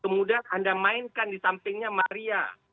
kemudian anda mainkan di sampingnya maria